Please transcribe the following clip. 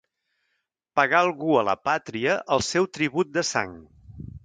Pagar algú a la pàtria el seu tribut de sang.